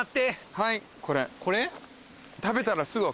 はいこれ。